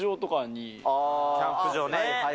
キャンプ場ね。